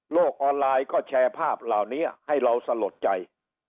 ออนไลน์ก็แชร์ภาพเหล่านี้ให้เราสลดใจ